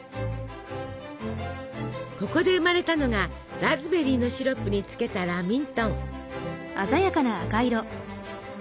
ここで生まれたのがラズベリーのシロップにつけたラミントン。